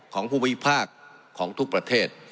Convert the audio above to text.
ของภูมิภาคของทุกประเทศ